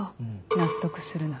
納得するな。